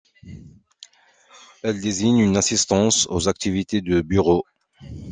Elle désigne une assistance aux activités de bureau.